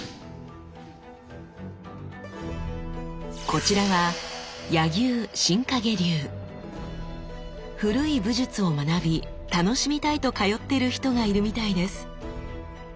こちらは古い武術を学び楽しみたいと通ってる人がいるみたいです。